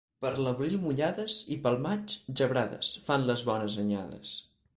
Per l'abril, mullades, i pel maig, gebrades, fan les bones anyades.